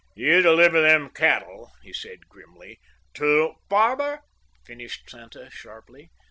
"You deliver them cattle," he said grimly, "to—" "Barber," finished Santa sharply.